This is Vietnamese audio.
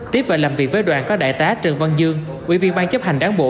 tiếp về làm việc với đoàn có đại tá trần văn dương ủy viên ban chấp hành đáng bộ